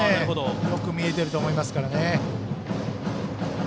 よく見えていると思いますからね。